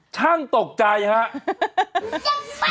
ช่างตกใจครับ